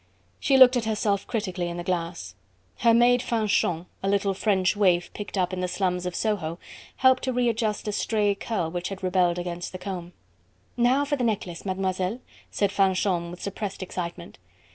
She looked at herself critically in the glass. Her maid Fanchon a little French waif picked up in the slums of Soho helped to readjust a stray curl which had rebelled against the comb. "Now for the necklace, Mademoiselle," said Fanchon with suppressed excitement.